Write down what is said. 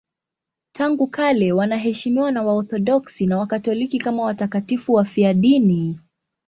Tangu kale wanaheshimiwa na Waorthodoksi na Wakatoliki kama watakatifu wafiadini.